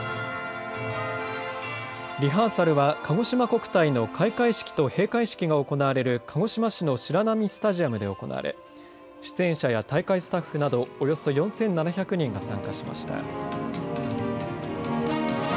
リハーサルはかごしま国体の開会式と閉会式が行われる鹿児島市の白波スタジアムで行われ出演者や大会スタッフなど、およそ４７００人が参加しました。